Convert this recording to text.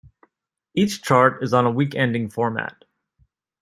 Each chart is on a week-ending format.